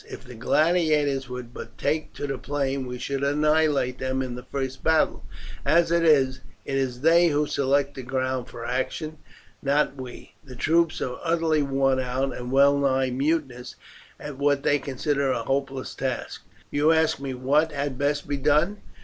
If the gladiators would but take to the plain we should annihilate them in the first battle. As it is, it is they who select the ground for action, and not we. The troops are utterly worn out and well nigh mutinous at what they consider a hopeless task. You ask me what had best be done.